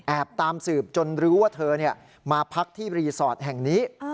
ตามสืบจนรู้ว่าเธอมาพักที่รีสอร์ทแห่งนี้